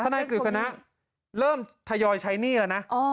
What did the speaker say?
ทนกริสนะเริ่มทยอยใช้หนี้อ่ะนะ